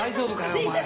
お前。